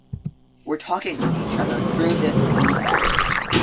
We're talking with each other through this music.